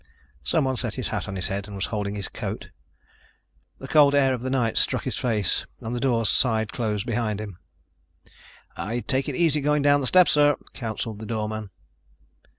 Someone set his hat on his head, was holding his coat. The cold air of the night struck his face and the doors sighed closed behind him. "I'd take it easy going down the step, sir," counseled the doorman.